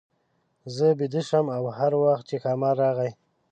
زه بېده شم او هر وخت چې ښامار راغی.